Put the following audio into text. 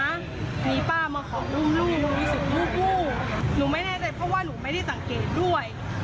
มีป้ามาขออุ้มลูกหนูรู้สึกวูบวูบหนูไม่แน่ใจเพราะว่าหนูไม่ได้สังเกตด้วย